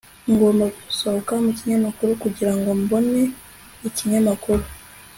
ngomba gusohoka mukinyamakuru kugirango mbone ikinyamakuru